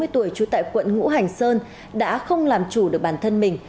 ba mươi tuổi trú tại quận ngũ hành sơn đã không làm chủ được bản thân mình